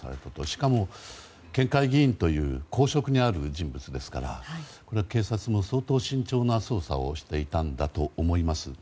しかも、県議会議員という公職にある立場ですからこれは警察も相当、慎重な捜査をしていたんだと思います。